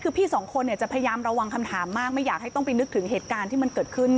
คือพี่สองคนเนี่ยจะพยายามระวังคำถามมากไม่อยากให้ต้องไปนึกถึงเหตุการณ์ที่มันเกิดขึ้น